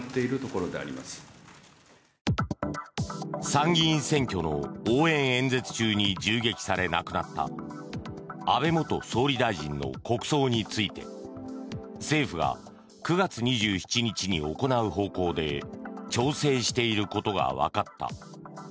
参議院選挙の応援演説中に銃撃され亡くなった安倍元総理大臣の国葬について政府が９月２７日に行う方向で調整していることがわかった。